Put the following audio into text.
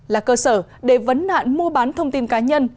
là cơ sở để vấn nạn mua bán thông tin cá nhân